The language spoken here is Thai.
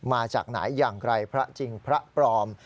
มาจากไหนอย่างไรพระจริงพระปลอม